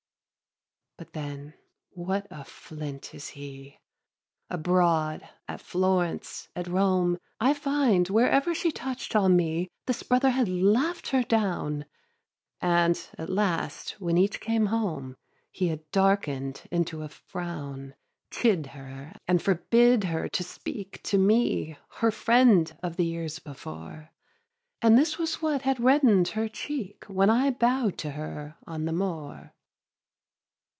6. But then what a flint is he! Abroad, at Florence, at Rome, I find whenever she touch'd on me This brother had laugh'd her down, And at last, when each came home, He had darken'd into a frown, Chid her, and forbid her to speak To me, her friend of the years before; And this was what had reddened her cheek When I bow'd to her on the moor.